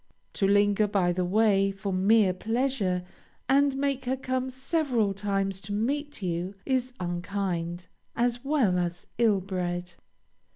To linger by the way, for mere pleasure, and make her come several times to meet you, is unkind, as well as ill bred.